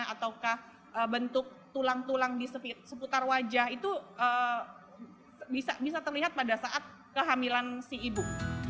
atau bentuk tulang tulang di seputar wajah itu bisa terlihat pada saat kehamilan si ibu